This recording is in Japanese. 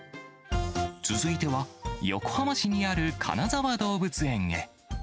続いては、横浜市にある金沢動物園へ。